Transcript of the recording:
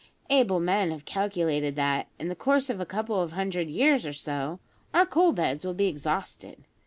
Able men have calculated that, in the course of a couple of hundred years or so, our coal beds will be exhausted.